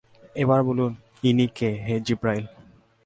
এবার বলুন, ইনি কে, হে জিবরাঈল?